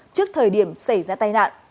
trước thời điểm xảy ra tai nạn